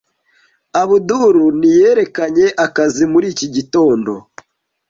Abdul ntiyerekanye akazi muri iki gitondo.